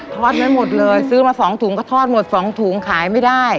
ทอดไว้หมดเลยซื้อมา๒ถุงก็ทอดหมด๒ถุงขายไม่ได้